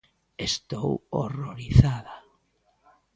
Estou horrorizada.